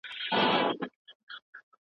ایا لوی صادروونکي پسته اخلي؟